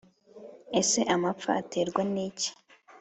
ese amapfa aterwa n’iki’